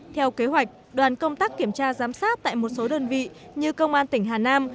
theo kế hoạch đoàn công tác kiểm tra giám sát tại một số đơn vị như công an tỉnh hà nam